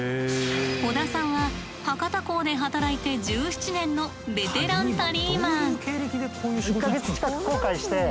織田さんは博多港で働いて１７年のベテランタリーマン。